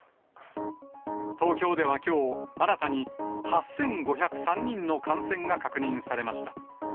東京ではきょう、新たに８５０３人の感染が確認されました。